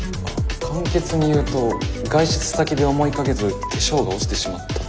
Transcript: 簡潔に言うと外出先で思いがけず化粧が落ちてしまった時？